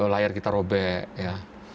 layar kita robek ya